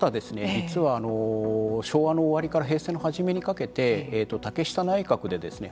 実は昭和の終わりから平成の初めにかけて竹下内閣でですね